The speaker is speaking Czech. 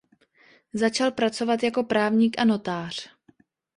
Začal pracovat jako právník a notář.